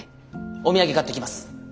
お土産買ってきます。